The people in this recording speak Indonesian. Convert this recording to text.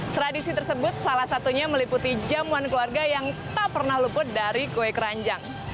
tradisi tersebut salah satunya meliputi jamuan keluarga yang tak pernah luput dari kue keranjang